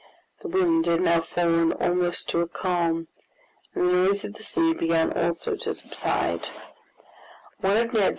The wind had now fallen almost to a calm, and the noise of the sea began also to subside.